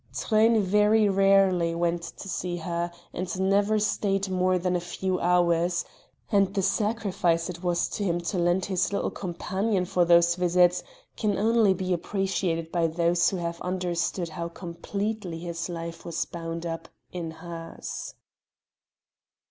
Truyn very rarely went to see her, and never stayed more than a few hours; and the sacrifice it was to him to lend his little companion for those visits can only be appreciated by those who have understood how completely his life was bound up in hers.